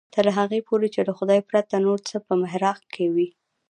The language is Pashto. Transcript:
تر هغې پورې چې له خدای پرته نور څه په محراق کې وي.